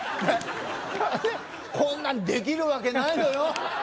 こんなんできるわけないのよ。